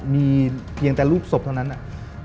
มีเพียงแต่รูปศพเท่านั้นอะ